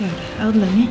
yaudah aku duluan ya